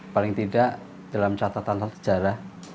paling tidak dalam catatan sejarah